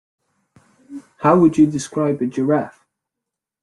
How would you describe a giraffe?